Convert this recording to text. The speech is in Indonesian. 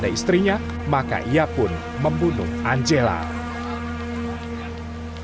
dan stabil selesai nyemain layanan mengambilplus di konsep itu